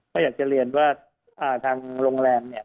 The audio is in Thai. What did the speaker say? ก็อยากจะเรียนว่าทางโรงแรมเนี่ย